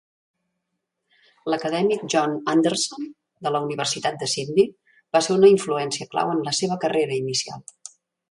L'acadèmic John Anderson de la Universitat de Sydney va ser una influència clau en la seva carrera inicial.